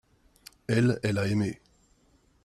elle, elle a aimé.